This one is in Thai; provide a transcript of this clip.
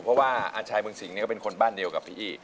เพราะว่าอาชายเมืองสิงห์ก็เป็นคนบ้านเดียวกับพี่อี้